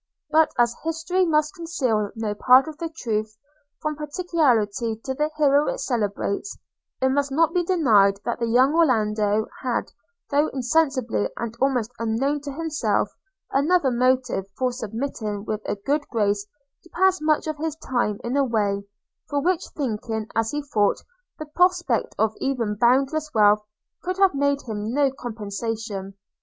But as history must conceal no part of the truth, from partiality to the hero it celebrates, it must not be denied that the young Orlando had, though insensibly and almost unknown to himself, another motive for submitting with a good grace to pass much of his time in a way, for which, thinking as he thought, the prospect of even boundless wealth could have made him no compensation.